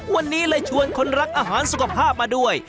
วันนี้เลยชวนคนรักอาหารสุขภาพมาด้วย